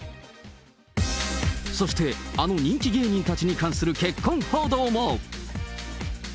そして、あの人気芸人たちに関する結婚報道も。